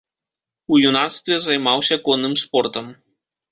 У юнацтве займаўся конным спортам.